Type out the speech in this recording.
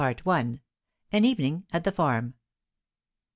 AN EVENING AT THE FARM.